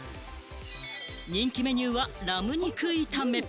人気メニューはラム肉炒め。